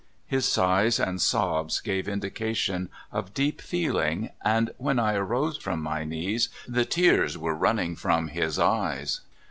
His sighs and sobs gave indication of deep feeling, and when I arose from my knees the tears were running from his eyes.